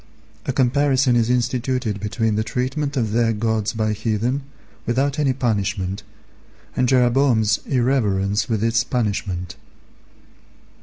A comparison is instituted between the treatment of their gods by heathen without any punishment, and Jeroboam's irreverence with its punishment.